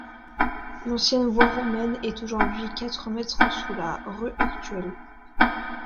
L’ancienne voie romaine est aujourd’hui quatre mètre sous la rue actuelle.